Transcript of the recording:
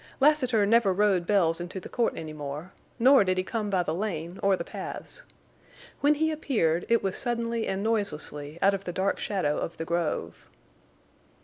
Lassiter never rode Bells into the court any more, nor did he come by the lane or the paths. When he appeared it was suddenly and noiselessly out of the dark shadow of the grove.